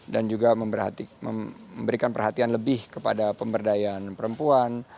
juga memberikan perhatian lebih kepada pemberdayaan perempuan